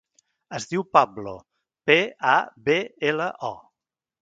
Es diu Pablo: pe, a, be, ela, o.